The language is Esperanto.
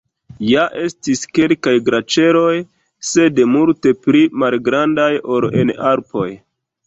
Ja estis kelkaj glaĉeroj, sed multe pli malgrandaj ol en Alpoj.